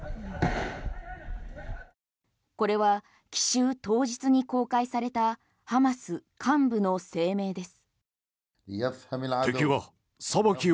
これは奇襲当日に公開されたハマス幹部の声明です。